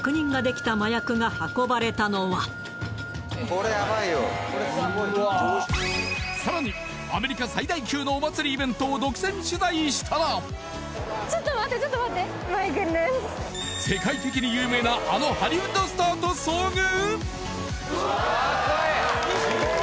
そしてさらにアメリカ最大級のお祭りイベントを独占取材したら世界的に有名なあのハリウッドスターと遭遇！？